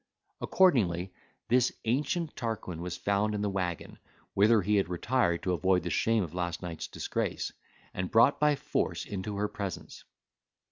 Accordingly, this ancient Tarquin was found in the waggon, whither he had retired to avoid the shame of last night's disgrace, and brought by force into her presence.